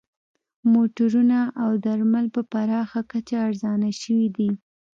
موټرونه او درمل په پراخه کچه ارزانه شوي دي